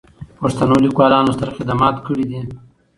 پښتنو لیکوالانو ستر خدمات کړي دي.